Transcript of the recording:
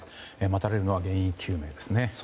待たれるのは原因究明ですね。